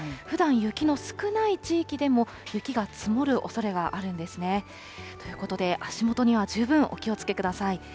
ふだん、雪の少ない地域でも雪が積もるおそれがあるんですね。ということで、足元には十分お気をつけください。